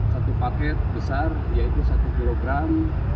satu paket besar yaitu satu kilogram